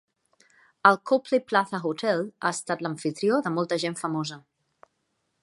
El Copley Plaza Hotel ha estat l'amfitrió de molta gent famosa.